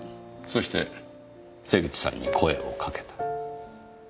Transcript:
そして瀬口さんに声をかけた。